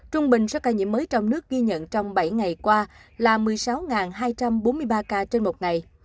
trung bình số ca nhiễm mới trong nước ghi nhận trong bảy ngày qua là một mươi sáu hai trăm bốn mươi ba ca trên một ngày